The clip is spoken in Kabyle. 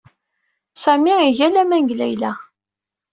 Sami iga laman deg Layla.